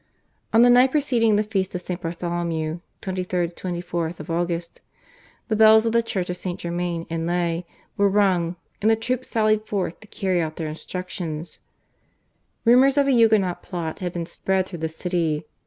On the night preceding the feast of St. Bartholomew (23 24 Aug.) the bells of the church of St. Germain en Laye were rung, and the troops sallied forth to carry out their instructions. Rumours of a Huguenot plot had been spread through the city.